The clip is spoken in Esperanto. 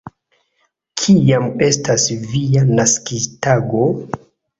Kiam estas via naskiĝtago?